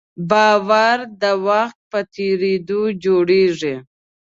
باور د وخت په تېرېدو جوړېږي.